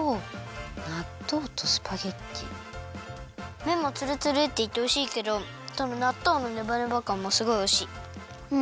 めんもツルツルっていっておいしいけどなっとうのネバネバかんもすごいおいしい。